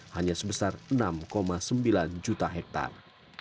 hanya sebesar enam sembilan juta hektare